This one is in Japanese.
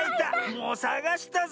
もうさがしたぞ。